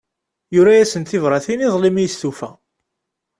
Yura-asent tibratin iḍelli mi yestufa.